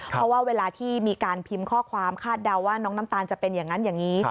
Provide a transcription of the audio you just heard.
เพราะว่าเวลาที่มีการพิมพ์ข้อความคาดเดาว่าน้องน้ำตาลจะเป็นอย่างนั้นอย่างนี้